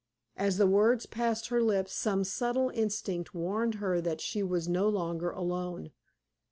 As the words passed her lips some subtle instinct warned her that she was no longer alone.